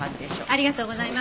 ありがとうございます。